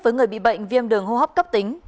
với người bị bệnh viêm đường hô hấp cấp tính